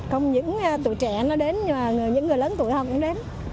không những tuổi trẻ nó đến nhưng mà những người lớn tuổi không cũng đến